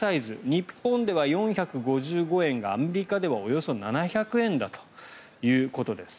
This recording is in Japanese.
日本では４５５円がアメリカではおよそ７００円だということです。